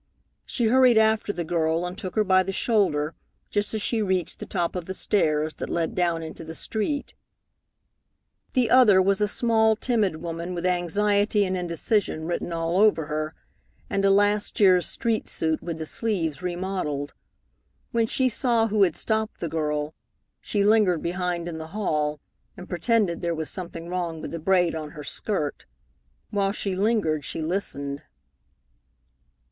She hurried after the girl and took her by the shoulder just as she reached the top of the stairs that led down into the street. The other was a small, timid woman, with anxiety and indecision written all over her, and a last year's street suit with the sleeves remodelled. When she saw who had stopped the girl, she lingered behind in the hall and pretended there was something wrong with the braid on her skirt. While she lingered she listened.